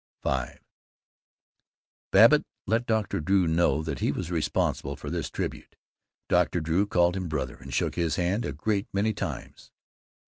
V Babbitt let Dr. Drew know that he was responsible for this tribute. Dr. Drew called him "brother," and shook his hand a great many times.